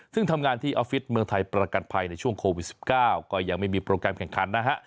ซึ่งทำงานที่ออฟฟิศเมืองไทยประกันภัยในช่วงโควิด๑๙ก็ยังไม่มีโปรแกรมแข่งขันนะฮะ